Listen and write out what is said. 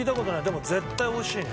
でも絶対美味しいね。